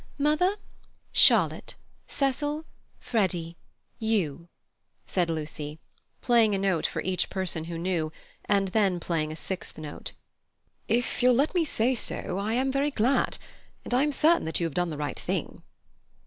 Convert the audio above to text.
"Mother, Charlotte, Cecil, Freddy, you," said Lucy, playing a note for each person who knew, and then playing a sixth note. "If you'll let me say so, I am very glad, and I am certain that you have done the right thing."